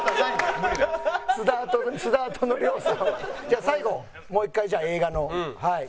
じゃあ最後もう一回じゃあ映画のはい。